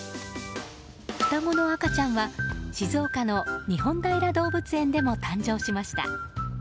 双子の赤ちゃんは静岡の日本平動物園でも誕生しました。